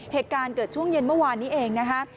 เหตุการณ์เกิดช่วงเย็นเมื่อวานนี้เองนะคะ